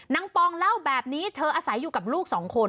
ปองเล่าแบบนี้เธออาศัยอยู่กับลูกสองคน